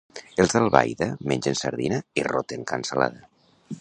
Els d'Albaida mengen sardina i roten cansalada.